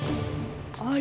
あれ？